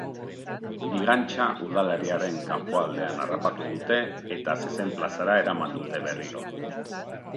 Bigantxa udalerriaren kanpoaldean harrapatu dute, eta zezen-plazara eraman dute berriro.